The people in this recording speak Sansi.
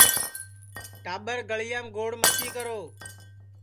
ٹاٻرگݪڑیام گوڑ متی کرو